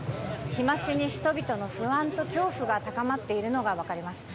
日増しに人々の不安と恐怖が高まっているのが分かります。